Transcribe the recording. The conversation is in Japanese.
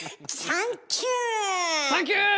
サンキュー！